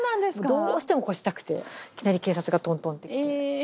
どうしても干したくていきなり警察がトントンって来てえ